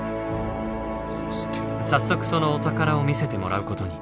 早速そのお宝を見せてもらうことに。